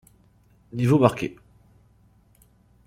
Niveau marque.